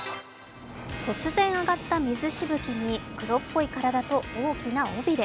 突然上がった水しぶきに黒っぽい体と大きな尾びれ。